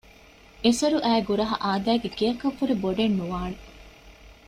އެސޮރުއައި ގުރަހަ އާދައިގެ ގެއަކަށްވުރެ ބޮޑެއް ނުވާނެ